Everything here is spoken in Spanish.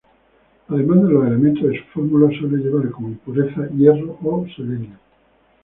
Además de los elementos de su fórmula, suele llevar como impurezas: hierro o selenio.